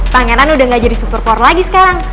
pangeran udah gak jadi super power lagi sekarang